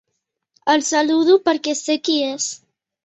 El saludo perquè sé qui és.